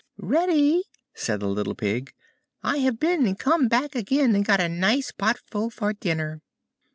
"Ready!" said the little Pig, "I have been and come back again, and got a nice pot full for dinner."